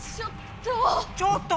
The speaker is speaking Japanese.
ちょっと！